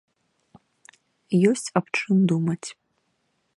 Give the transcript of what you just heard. Ёсць аб чым думаць.